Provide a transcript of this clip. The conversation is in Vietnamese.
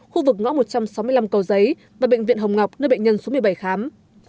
khu vực ngõ một trăm sáu mươi năm cầu giấy và bệnh viện hồng ngọc nơi bệnh nhân số một mươi bảy khám